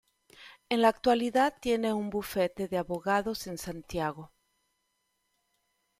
En la actualidad tiene un bufete de abogados en Santiago.